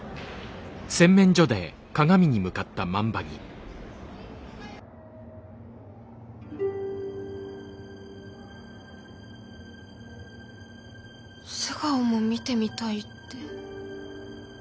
心の声素顔も見てみたいって。